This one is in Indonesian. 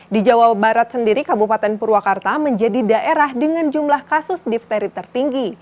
di jawa barat sendiri kabupaten purwakarta menjadi daerah dengan jumlah kasus difteri tertinggi